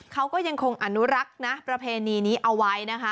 เขาก็ยังคงอนุรักษ์นะประเพณีนี้เอาไว้นะคะ